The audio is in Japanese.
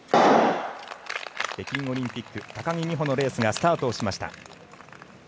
北京オリンピック高木美帆のレースがスタートしました。